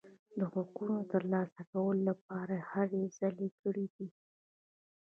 د حقونو ترلاسه کولو لپاره یې هلې ځلې کړي دي.